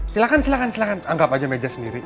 silakan silakan silakan anggap aja meja sendiri